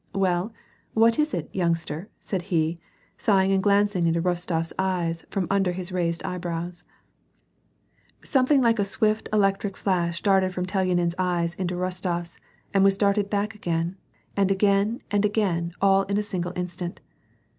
" Well, what is it, youngster," said he, sighing and glancing into RostoFs eyes from under his raised brows. Something like a swift electric flash darted from Telyanin's eyes into Rostofs and was darted back again aud again and again all in a single instant.